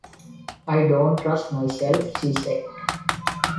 “I don’t trust myself,” she said.